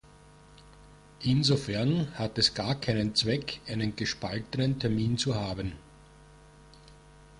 Insofern hat es gar keinen Zweck, einen gespaltenen Termin zu haben.